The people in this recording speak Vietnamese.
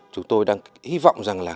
chúng tôi đang hy vọng rằng là